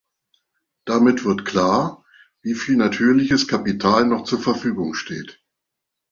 Damit wird klar, wie viel natürliches Kapital noch zur Verfügung steht.